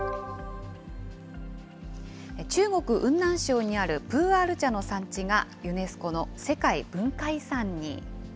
中国・雲南省にあるプーアール茶の産地が、ユネスコの世界文化遺産に。